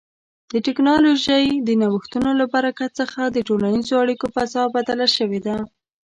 د ټکنالوژۍ د نوښتونو له برکت څخه د ټولنیزو اړیکو فضا بدله شوې ده.